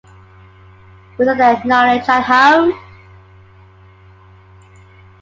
Without their knowledge at home?